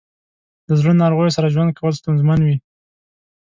د زړه ناروغیو سره ژوند کول ستونزمن وي.